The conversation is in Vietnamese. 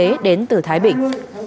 các tài xế đến từ thái bình